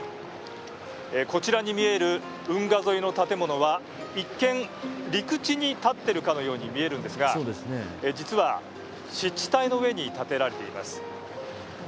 こちらに見える運河沿いの建物は一見、陸地に建っているかのように見えるんですが実は、湿地帯の上に建てられています。